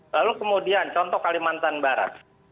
lalu kemudian contoh kalimantan barat